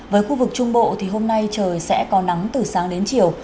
với khu vực trung bộ thì hôm nay trời sẽ có nắng từ sáng đến chiều